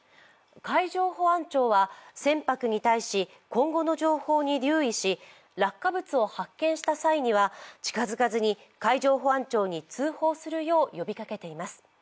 海上保安庁は船舶に対し今後の情報に留意し落下物を発見した際には近づかずに海上保安庁に通報するよう呼びかけています。